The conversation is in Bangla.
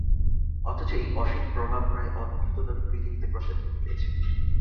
অথচ এই অসীম প্রভাব প্রায় অলক্ষিতভাবেই পৃথিবীতে প্রসারিত হইয়াছে।